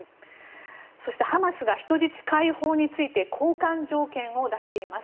そしてハマスが人質解放について交換条件を出しています。